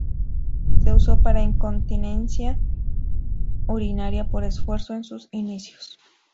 Se usó para incontinencia urinaria por esfuerzo en sus inicios.